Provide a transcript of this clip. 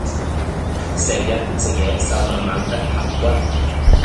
成日唔食嘢瘦蜢蜢得棚骨